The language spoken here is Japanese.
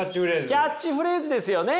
キャッチフレーズですよね。